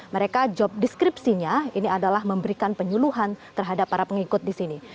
mereka job deskripsinya ini adalah memberikan penyuluhan terhadap para pengikut di sini